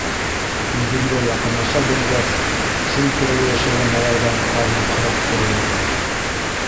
Иҙелгә яҡынлаша биргәс, шул тирәлә йәшәгән малайҙан ҡармаҡ һорап торҙоҡ.